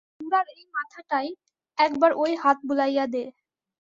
বুড়ার এই মাথাটায় একবার ঐ হাত বুলাইয়া দে।